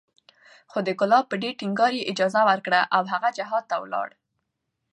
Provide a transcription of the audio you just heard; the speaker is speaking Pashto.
خو د کلاب په ډېر ټينګار یې اجازه ورکړه او هغه جهاد ته ولاړ